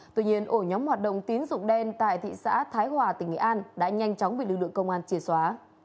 tuy nhiên ổ nhóm hoạt động tín dụng đen tại thị xã thái hòa tỉnh nghệ an đã nhanh chóng bị lực lượng công an chia xóa